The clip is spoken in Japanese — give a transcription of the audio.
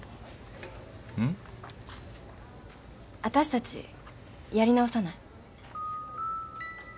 私たちやり直さない？